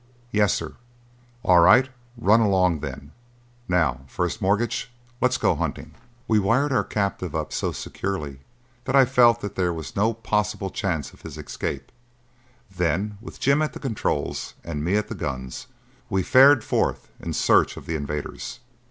"Yes, sir." "All right, run along then. Now, First Mortgage, let's go hunting." We wired our captive up so securely that I felt that there was no possible chance of his escape; then, with Jim at the controls and me at the guns, we fared forth in search of the invaders.